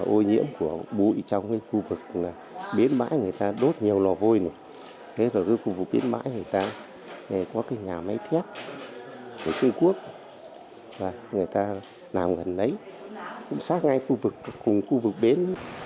ô nhiễm của bụi trong khu vực biến mãi người ta đốt nhiều lò vôi thế là khu vực biến mãi người ta có cái nhà máy thiết của trung quốc người ta làm gần đấy cũng sát ngay khu vực cùng khu vực bến